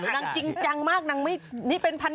นางจริงจังมากนี่เป็นพันธุ์ตรีแล้วนะคุณ